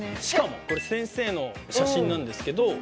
しかもこれ先生の写真なんですけど。